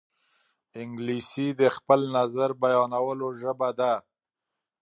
انګلیسي د خپل نظر بیانولو ژبه ده